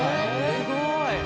すごい！